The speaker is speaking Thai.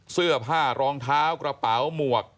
เสื้อผ้ารองเท้ากระเป๋าหมวก